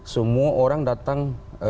semua orang datang